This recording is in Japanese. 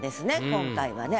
今回はね。